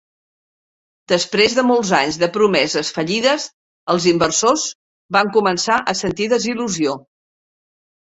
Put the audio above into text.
Després de molts anys de promeses fallides, els inversors van començar a sentir desil·lusió.